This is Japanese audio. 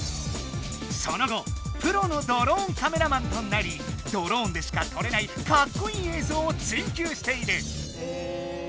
その後プロのドローンカメラマンとなりドローンでしか撮れないかっこいい映像を追求している。